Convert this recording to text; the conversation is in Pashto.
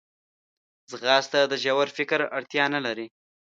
ځغاسته د ژور فکر اړتیا نه لري